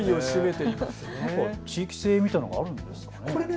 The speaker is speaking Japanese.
地域性みたいなのがあるんですかね。